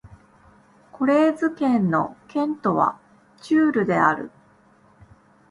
コレーズ県の県都はチュールである